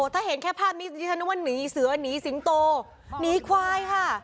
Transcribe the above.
ถ้าเห็นแค่ภาพนี้ที่ฉันนึกว่าหนีเสือหนีสิงโตหนีควายค่ะ